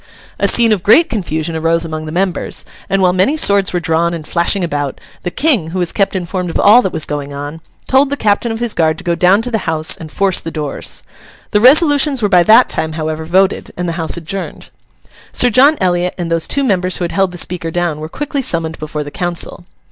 A scene of great confusion arose among the members; and while many swords were drawn and flashing about, the King, who was kept informed of all that was going on, told the captain of his guard to go down to the House and force the doors. The resolutions were by that time, however, voted, and the House adjourned. Sir John Eliot and those two members who had held the Speaker down, were quickly summoned before the council.